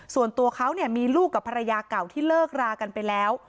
ส่วนตัวเขามีลูกกับภรรยาเก่าที่เลิกรากันไปแล้ว